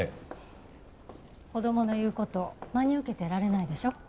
子供の言う事を真に受けていられないでしょ。